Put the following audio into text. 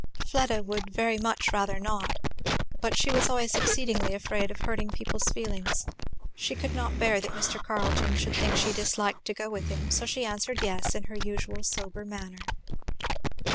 Fleda would very much rather not! But she was always exceedingly afraid of hurting people's feelings; she could not bear that Mr. Carleton should think she disliked to go with him, so she answered yes, in her usual sober manner.